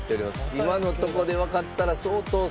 今のとこでわかったら相当すごい。